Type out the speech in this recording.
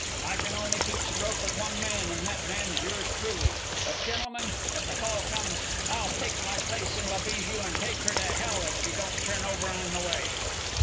I can only keep stroke with one man, and that man's yours truly. But, gentlemen, if the call comes, I'll take my place in La Bijou and take her to hell if she don't turn over on the way."